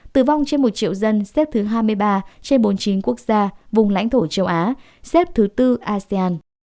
tử vong trên một triệu dân xếp thứ hai mươi ba trên bốn mươi chín quốc gia vùng lãnh thổ châu á xếp thứ tư asean